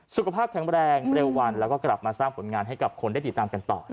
สุขภาพแข็งแรงเร็ววันแล้วก็กลับมาสร้างผลงานให้กับคนได้ติดตามกันต่อ